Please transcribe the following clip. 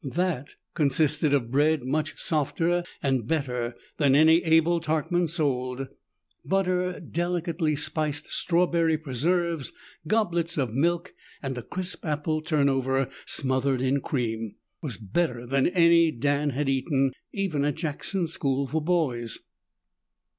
That, consisting of bread much softer and better than any Abel Tarkman sold, butter, delicately spiced strawberry preserves, goblets of milk, and a crisp apple turnover smothered in cream, was better than any Dan had eaten, even at the Jackson School for Boys.